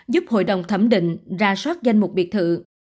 giúp hội đồng thẩm định ra soát danh mục biệt thự